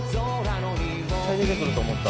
絶対出てくると思った」